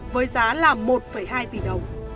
với giá là một hai tỷ đồng